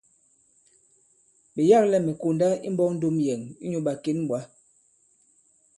Ɓe yâklɛ mɛ̀ konda imbɔk ndom yɛ̀n inyū ɓàkěn ɓwǎ.